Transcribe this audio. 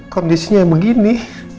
kondisinya emang gini